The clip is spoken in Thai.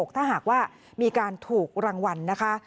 ถ้าหากว่ามีการถูกรางวัลนะคะ